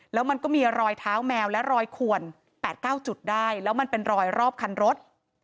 แล้วมันก็มีรอยเท้าแมวและรอยขวน๘๙จุดได้แล้วมันเป็นรอยรอบคันรถ